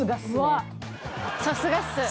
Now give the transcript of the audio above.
さすがっすね。